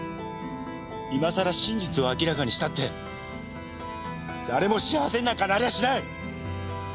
今更真実を明らかにしたって誰も幸せになんかなれやしない！